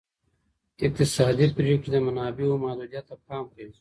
اقتصادي پریکړې د منابعو محدودیت ته پام کوي.